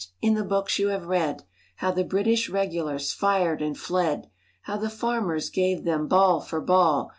In the books you have read How the British regulars fired and fled, — How the farmers gave them ball for ball.